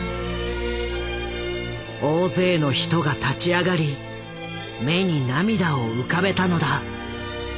大勢の人が立ち上がり目に涙を浮かべたのだ。